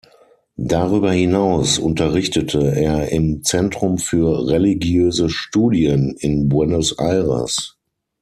Darüber hinaus unterrichtete er im Zentrum für Religiöse Studien in Buenos Aires.